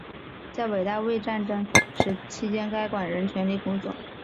在伟大卫国战争期间该馆仍全力工作。